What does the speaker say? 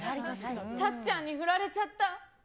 たっちゃんにふられちゃった。